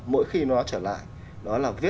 mỗi khi nó trở lại